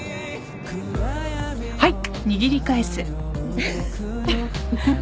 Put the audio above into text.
はい。